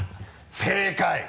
正解！